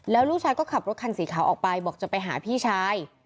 แล้วลูกชายก็ขับรถคันสีขาวออกไปบอกจะไปหาพี่ชาย